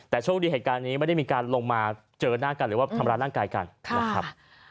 แต่โชคดีเหตุการณ์นี้ไม่ได้มีการลงมาเจอหน้ากันหรือว่าทำร้ายร่างกายกันนะครับ